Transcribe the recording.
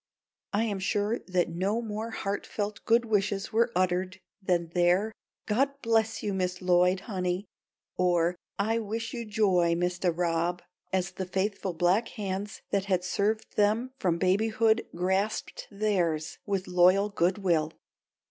I am sure that no more heartfelt good wishes were uttered than their "God bless you, Miss Lloyd, honey," or "I wish you joy, Mistah Rob," as the faithful black hands that had served them from babyhood grasped theirs with loyal good will.